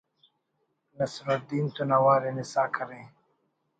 نصرالدین تون اوار ہنسا کرے